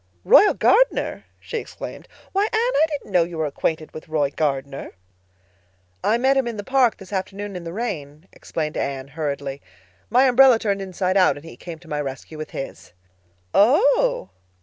"Royal Gardner!" she exclaimed. "Why, Anne, I didn't know you were acquainted with Roy Gardner!" "I met him in the park this afternoon in the rain," explained Anne hurriedly. "My umbrella turned inside out and he came to my rescue with his." "Oh!"